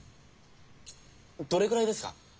どれくらいですか？